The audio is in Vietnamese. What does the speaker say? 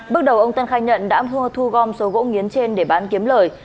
bước đầu ông tân khai nhận đã mua thu gom số gỗ nghiến trên để bán kiếm lời